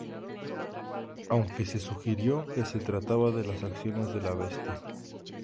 Aunque se sugirió que se trataba de las acciones de la Bestia.